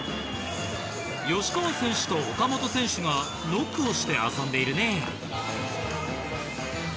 吉川選手と岡本選手がノックをして遊んでいるね。